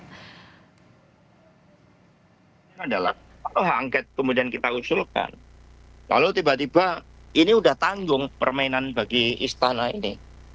nah kalau hak angket kemudian kita usulkan kalau tiba tiba ini sudah tanggung permainan bagi istana ini